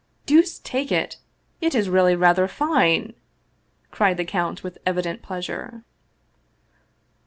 " Deuce take it! it is really rather fine! " cried the count, with evident pleasure.